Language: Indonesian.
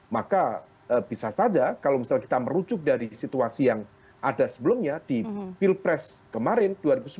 maka bisa saja kalau misalnya kita merujuk dari situasi yang ada sebelumnya di pilpres kemarin dua ribu sembilan belas